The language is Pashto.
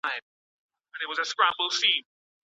ولي افغان سوداګر خوراکي توکي له هند څخه واردوي؟